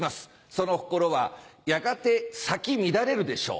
その心はやがてサキ乱れるでしょう。